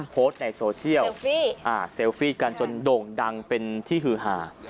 โพสต์ในโซเชียลเซลฟี่กันจนโด่งดังเป็นที่ฮือหา